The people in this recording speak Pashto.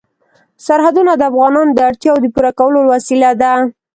سرحدونه د افغانانو د اړتیاوو د پوره کولو وسیله ده.